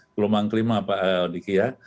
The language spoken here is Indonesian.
gelombang kelima pak diki ya